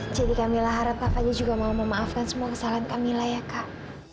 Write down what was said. jadi kamila harap kafadil juga mau memaafkan semua kesalahan kamila ya kak